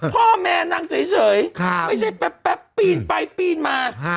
พ่อแม่นั่งเฉยไม่ใช่แป๊บปีนไปปีนมา